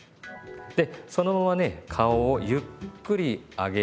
でそのままね顔をゆっくり上げてみて下さい。